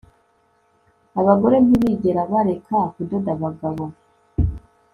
abagore ntibigera bareka kudoda abagabo